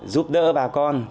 giúp đỡ bà con